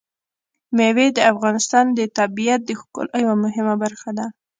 مېوې د افغانستان د طبیعت د ښکلا یوه مهمه برخه ده.